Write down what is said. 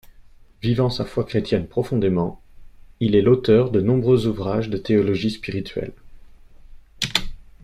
Vivant sa foi chrétienne profondément, il est l'auteur de nombreux ouvrages de théologie spirituelle.